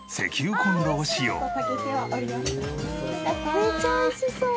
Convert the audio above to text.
めっちゃ美味しそう。